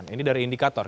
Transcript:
ini dari indikator